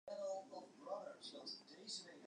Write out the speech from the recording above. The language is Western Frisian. Ik kin saterdei de hiele dei.